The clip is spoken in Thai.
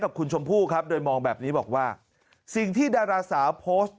กับคุณชมพู่ครับโดยมองแบบนี้บอกว่าสิ่งที่ดาราสาวโพสต์